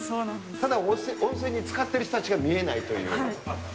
ただ温泉につかっている人たちが見えないっていう。